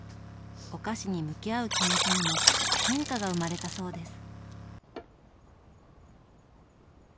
お菓子に向き合う気持ちにも変化が生まれたそうです。